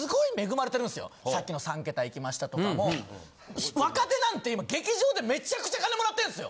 さっきの３桁いきましたとかも若手なんて今劇場でめちゃくちゃ金もらってんすよ。